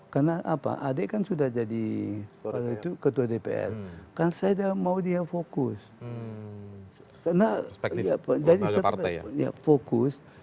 karena adek kan sudah jadi ketua dpr kan saya mau dia fokus